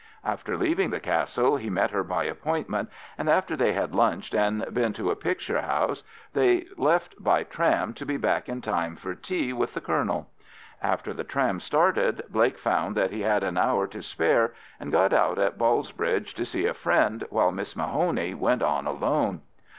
After leaving the Castle he met her by appointment, and after they had lunched and been to a picture house, they left by tram to be back in time for tea with the Colonel. After the tram started Blake found that he had an hour to spare, and got out at Ballsbridge to see a friend, while Miss Mahoney went on alone.